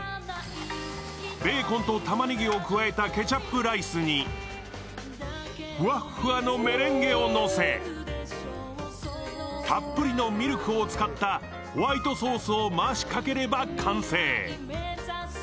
ベーコンとたまねぎを加えたケチャップライスにふわふわのメレンゲをのせ、たっぷりのミルクを使ったホワイトソースを回しかければ完成。